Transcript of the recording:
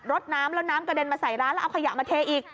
ดน้ำแล้วน้ำกระเด็นมาใส่ร้านแล้วเอาขยะมาเทอีก